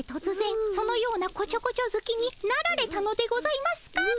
そのようなこちょこちょずきになられたのでございますか？